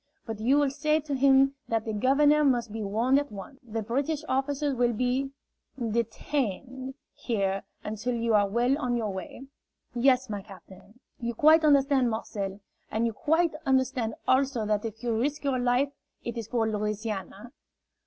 But you will say to him that the governor must be warned at once. The British officers will be detained here until you are well on your way." "Yes, my captain." "You quite understand, Marcel? And you quite understand also that if you risk your life, it is for Louisiana?"